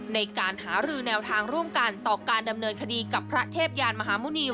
ในการหารือแนวทางร่วมกันต่อการดำเนินคดีกับพระเทพยานมหาหมุณี